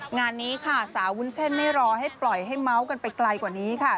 งานนี้ค่ะสาววุ้นเส้นไม่รอให้ปล่อยให้เมาส์กันไปไกลกว่านี้ค่ะ